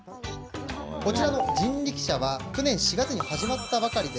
こちらの人力車は去年４月に始まったばかり。